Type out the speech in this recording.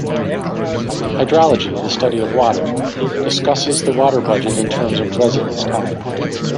Hydrology, the study of water, discusses the water budget in terms of residence time.